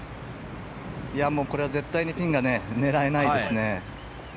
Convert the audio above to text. これは絶対にピンは狙えないですね。